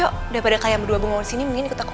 ayo daripada kalian berdua mau disini mendingan ikut aku